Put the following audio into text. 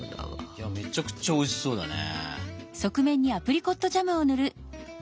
いやめちゃくちゃおいしそうだね。